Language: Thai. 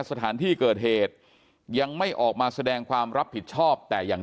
สถานที่เกิดเหตุยังไม่ออกมาแสดงความรับผิดชอบแต่อย่าง